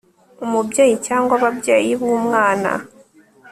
Umubyeyi cyangwa ababyeyi b umwana